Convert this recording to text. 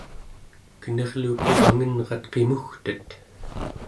kenirluku angenrat qimugtet!